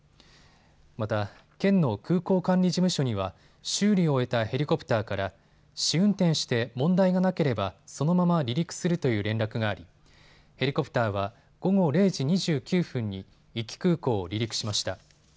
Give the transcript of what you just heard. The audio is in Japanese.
また、県の空港管理事務所には修理を終えたヘリコプターから試運転して問題がなければそのまま離陸するという連絡がありヘリコプターは午後０時２９分に壱岐空港を離陸しました。